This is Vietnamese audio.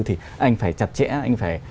thì anh phải chặt chẽ anh phải